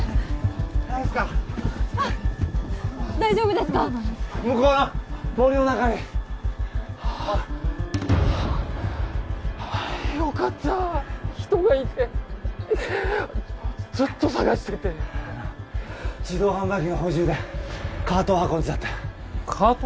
大丈夫ですか大丈夫ですか向こうの森の中によかった人がいてずっと探してて自動販売機の補充でカートを運んでたってカート？